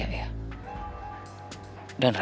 aku simpel banget